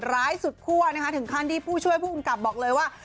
ร้ายสุดคั่วนะคะถึงขั้นที่ผู้ช่วยผู้กำกับบอกเลยว่า